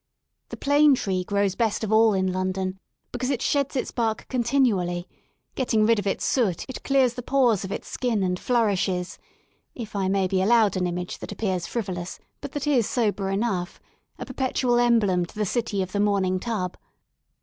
The plane tree grows best of all in London, because it sheds its bark continually ; getting rid of its soot it clears the pores of its skin and flourishes, if I may be allowed an image that appears frivolous but that is sober enough, a perpetual emblem to the city of the morning tub.